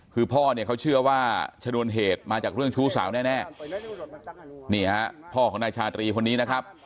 คือพ่อเนี่ยเขาเชื่อว่าชนวนเหตุมาจากเรื่องชู้สาวแน่นี่ฮะพ่อของนายชาตรีคนนี้นะครับ